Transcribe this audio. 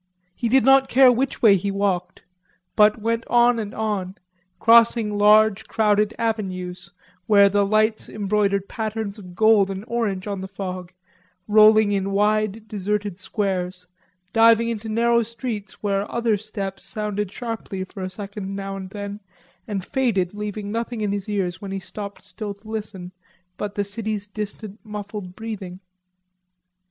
He did not care which way he walked, but went on and on, crossing large crowded avenues where the lights embroidered patterns of gold and orange on the fog, rolling in wide deserted squares, diving into narrow streets where other steps sounded sharply for a second now and then and faded leaving nothing in his ears when he stopped still to listen but the city's distant muffled breathing.